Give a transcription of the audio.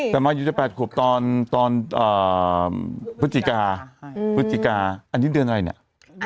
แต่มายูจะ๘ขวบตอนพฤศจิกาพฤศจิกาอันนี้เดือนอะไรเนี่ย